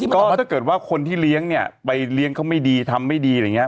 ก็เพราะถ้าเกิดว่าคนที่เลี้ยงเนี่ยไปเลี้ยงเขาไม่ดีทำไม่ดีอะไรอย่างนี้